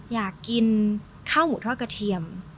อยากกินข้าวหมูทอดกระเทียม